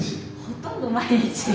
ほとんど毎日。